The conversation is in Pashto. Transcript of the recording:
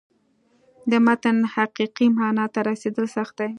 د متن حقیقي معنا ته رسېدل سخت دي.